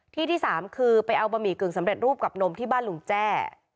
ที่ที่สามคือไปเอาบะหมี่กึ่งสำเร็จรูปกับนมที่บ้านลุงแจ้